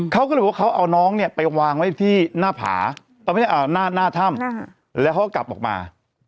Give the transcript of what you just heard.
เขาก็เลยบอกว่าเขาเอาน้องเนี่ยไปวางไว้ที่หน้าผาหน้าถ้ำแล้วเขาก็กลับออกมา